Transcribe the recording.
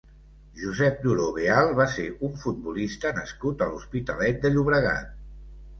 Josep Duró Beal va ser un futbolista nascut a l'Hospitalet de Llobregat.